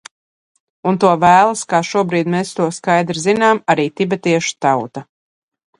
Un to vēlas, kā šobrīd mēs to skaidri zinām, arī tibetiešu tauta.